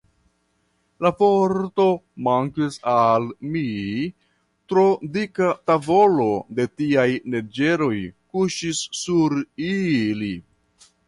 La forto mankis al mi; tro dika tavolo de tiaj neĝeroj kuŝis sur ili.